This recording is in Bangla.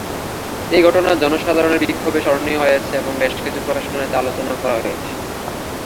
এই ঘটনা জনসাধারণের বিক্ষোভে স্মরণীয় হয়ে আছে এবং বেশ কিছু প্রকাশনায় তা আলোচনা করা হয়েছে।